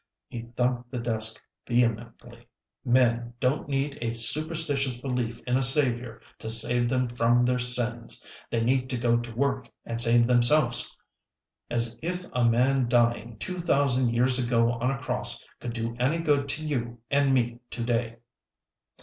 He thumped the desk vehemently. "Men don't need a superstitious belief in a Saviour to save them from their sins; they need to go to work and save themselves! As if a man dying two thousand years ago on a cross could do any good to you and me to day!"